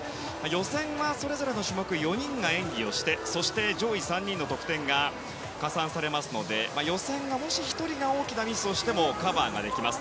予選はそれぞれの種目４人が演技をして、上位３人の得点が加算されますので予選はもし１人が大きなミスをしてもカバーできます。